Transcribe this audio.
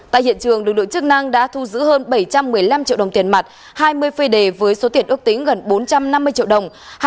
tại hiện trường lực lượng chức năng đã thu giữ hơn bảy trăm một mươi năm triệu đồng tiền mặt hai mươi phơi đề với số tiền ước tính gần bốn trăm năm mươi triệu đồng